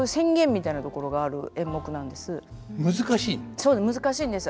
そう難しいんです。